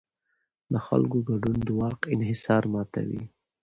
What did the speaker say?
د خلکو ګډون د واک انحصار ماتوي